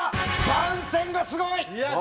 「番宣がすごい」？